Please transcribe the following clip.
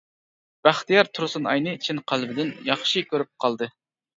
بەختىيار تۇرسۇنئاينى چىن قەلبىدىن ياخشى كۆرۈپ قالدى.